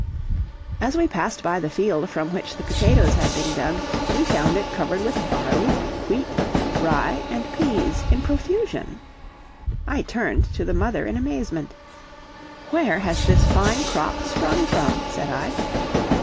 As we passed by the field from which the potatoes had been dug, we found it covered with barley, wheat, rye, and peas in profusion. I turned to the mother in amazement. "Where has this fine crop sprung from?" said I.